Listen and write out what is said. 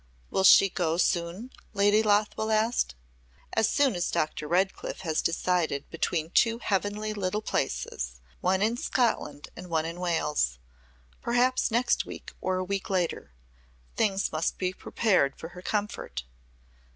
"Will she go soon?" Lady Lothwell asked. "As soon as Dr. Redcliff has decided between two heavenly little places one in Scotland and one in Wales. Perhaps next week or a week later. Things must be prepared for her comfort."